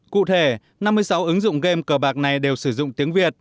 cụ thể năm mươi sáu ứng dụng game cờ bạc này đều sử dụng tiếng việt